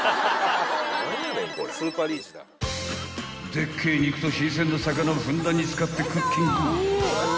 ［でっけえ肉と新鮮な魚をふんだんに使ってクッキング］